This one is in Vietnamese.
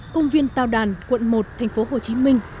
công viên tàu đàn quận một tp hcm